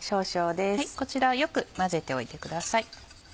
こちらはよく混ぜておいてください。